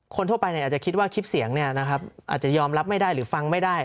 คนทั่วไปเนี่ยอาจจะคิดว่าคลิปเสียงเนี่ยนะครับอาจจะยอมรับไม่ได้หรือฟังไม่ได้